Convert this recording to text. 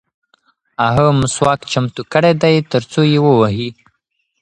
هغه مسواک چمتو کړی دی ترڅو یې ووهي.